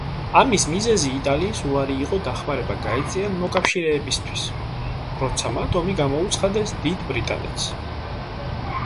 ამის მიზეზი იტალიის უარი იყო დახმარება გაეწია მოკავშირეებისთვის, როცა მათ ომი გამოუცხადეს დიდ ბრიტანეთს.